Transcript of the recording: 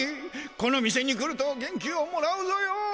この店に来ると元気をもらうぞよ。